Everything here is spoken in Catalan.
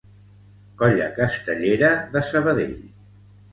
Colla Castellera de Sabadell.